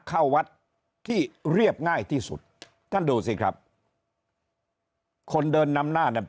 เข้าวัดที่เรียบง่ายที่สุดท่านดูสิครับคนเดินนำหน้าเนี่ย